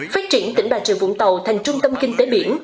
phát triển tỉnh bà rịa vũng tàu thành trung tâm kinh tế biển